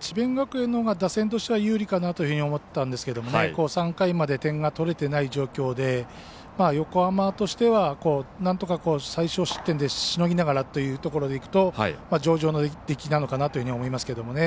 智弁学園のほうが打線としては有利かなというふうに思ったんですけどもね３回まで点が取れていない状況で横浜としてはなんとか最少失点でしのぎながらというところでいくと上場の出来なのかなと思いますけどね。